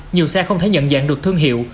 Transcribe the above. nhiều xe không thể nhận dạng được thương hiệu